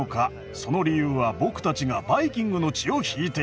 その理由は僕たちがバイキングの血を引いているから。